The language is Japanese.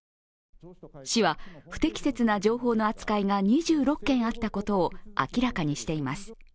市は、不適切な情報の扱いが２６件あったことを明らかにしています。